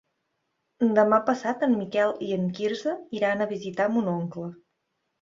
Demà passat en Miquel i en Quirze iran a visitar mon oncle.